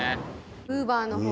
ウーバーの方が。